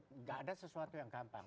tidak ada sesuatu yang gampang